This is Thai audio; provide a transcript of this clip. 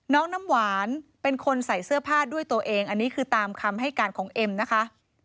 น้ำหวานเป็นคนใส่เสื้อผ้าด้วยตัวเองอันนี้คือตามคำให้การของเอ็มนะคะ